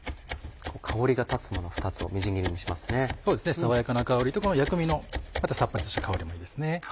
爽やかな香りとこの薬味のまたさっぱりした香りもいいですね。